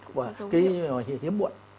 cái hiếm muộn